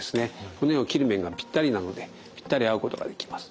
骨を切る面がぴったりなのでぴったり合うことができます。